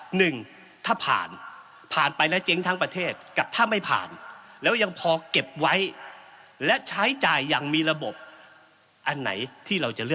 หนึ่งถ้าผ่านผ่านไปแล้วเจ๊งทั้งประเทศกับถ้าไม่ผ่านแล้วยังพอเก็บไว้และใช้จ่ายอย่างมีระบบอันไหนที่เราจะเลือก